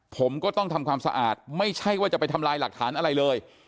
ผมก็ต้องทำความสะอาดไม่ใช่ว่าจะไปทำลายหลักฐานอะไรเลย